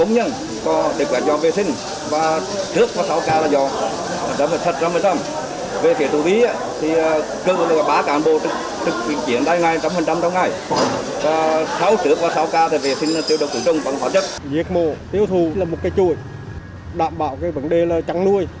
nhiệt mổ tiêu thụ là một cái chuỗi đảm bảo vấn đề trắng nuôi